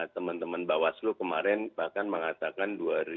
teman teman bawaslu kemarin bahkan mengatakan